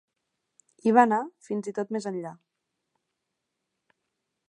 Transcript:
I va anar, fins i tot, més enllà.